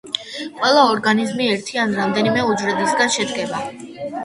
ყველა ორგანიზმი ერთი ან რამდენიმე უჯრედისგან შედგება.